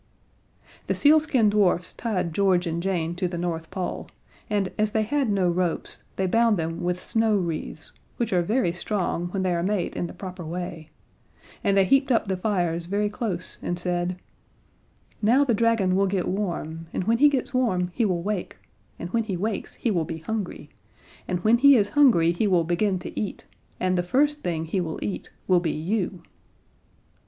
The sealskin dwarfs tied George and Jane to the North Pole, and, as they had no ropes, they bound them with snow wreaths, which are very strong when they are made in the proper way, and they heaped up the fires very close and said: "Now the dragon will get warm, and when he gets warm he will wake, and when he wakes he will be hungry, and when he is hungry he will begin to eat, and the first thing he will eat will be you."